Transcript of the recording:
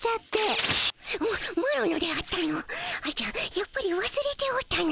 やっぱりわすれておったの。